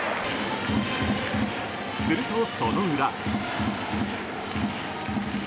するとその裏。